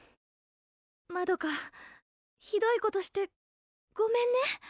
まどかひどいことしてごめんね。